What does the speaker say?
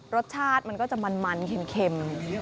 รสชาติมันก็จะมันเค็ม